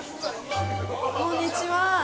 こんにちは。